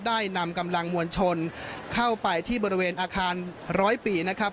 นำกำลังมวลชนเข้าไปที่บริเวณอาคารร้อยปีนะครับ